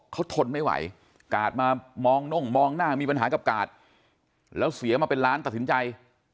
เขาทนไม่ไหวกาดมามองน่งมองหน้ามีปัญหากับกาดแล้วเสียมาเป็นล้านตัดสินใจ